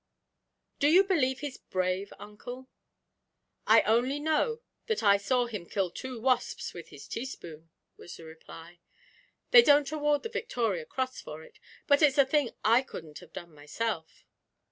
'Do you believe he's brave, uncle?' 'I only know that I saw him kill two wasps with his teaspoon,' was the reply. 'They don't award the Victoria Cross for it but it's a thing I couldn't have done myself.'